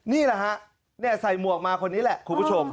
นี่แหละฮะใส่หมวกมาคนนี้แหละคุณผู้ชม